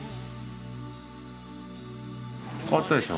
変わったでしょ？